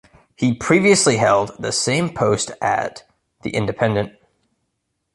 He previously held the same post at "The Independent".